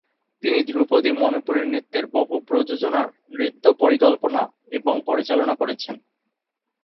তিনি ধ্রুপদী মণিপুরী নৃত্যের বহু প্রযোজনার, নৃত্য পরিকল্পনা এবং পরিচালনা করেছেন।